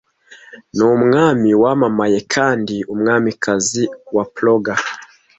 Ni umwami wamamaye kandi ni umwamikazi wa prom.